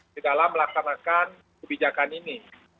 di dalam melaksanakan kebijakan ini